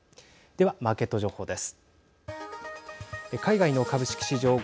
ではマーケット情報です。